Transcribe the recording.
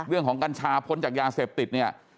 เรื่องของกัญชาพ้นจากยางเสพติดเนี่ย